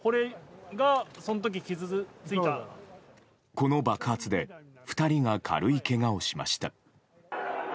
この爆発で２人が軽いけがをしました。